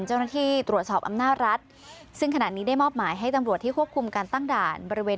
เจ้าหน้าที่ตรวจสอบอำนาจรัฐซึ่งขณะนี้ได้มอบหมายให้ตำรวจที่ควบคุมการตั้งด่านบริเวณ